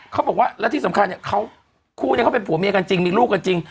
เขาบอกว่าแล้วที่สำคัญเนี่ยเขาคู่นี้เขาเป็นผัวเมียกันจริงมีลูกกันจริง